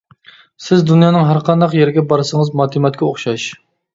سىز دۇنيانىڭ ھەرقانداق يېرىگە بارسىڭىز ماتېماتىكا ئوخشاش.